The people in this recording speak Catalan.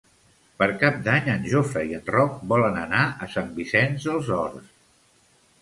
Per Cap d'Any en Jofre i en Roc volen anar a Sant Vicenç dels Horts.